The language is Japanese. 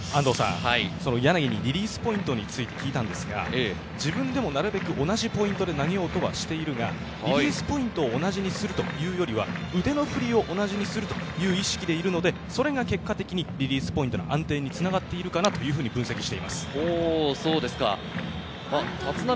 柳にリリースポイントについて聞いたんですが、自分でもなるべく同じポイントで投げようとしているが、リリースポイントを同じにするというよりは腕の振りを同じにするという意識でいるので、それが結果的にリリースポイントの安定に繋がっているかなと分析しています。